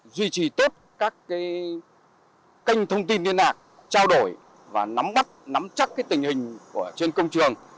duy trì tốt các kênh thông tin liên lạc trao đổi và nắm chắc tình hình trên công trường